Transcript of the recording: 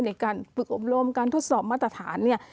ในการฝึกอบรมการทดสอบมาตรฐานเนี่ย